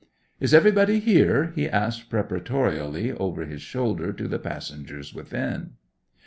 'Is everybody here?' he asks preparatorily over his shoulder to the passengers within.